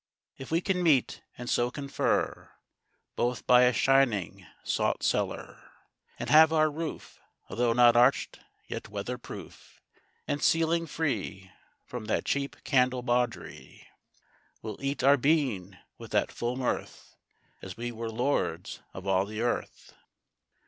If we can meet, and so confer, Both by a shining salt cellar, And have our roof, Although not arch'd, yet weather proof, And cieling free, From that cheap candle baudery; We'll eat our bean with that full mirth As we were lords of all the earth.